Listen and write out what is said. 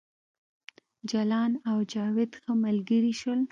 جلان او جاوید ښه ملګري شول